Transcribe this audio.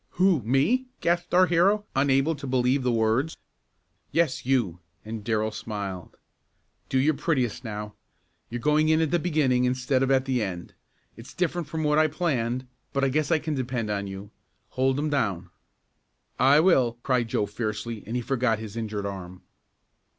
"Who me?" gasped our hero, unable to believe the words. "Yes, you," and Darrell smiled. "Do your prettiest now. You're going in at the beginning instead of at the end. It's different from what I planned, but I guess I can depend on you. Hold 'em down!" "I will!" cried Joe fiercely and he forgot his injured arm.